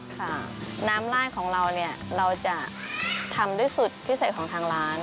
ค่ะน้ำลาดของเราเนี่ยเราจะทำด้วยสูตรพิเศษของทางร้าน